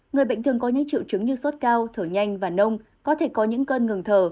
người bệnh thường có những triệu chứng như sốt cao thở nhanh và nông có thể có những cơn ngừng thở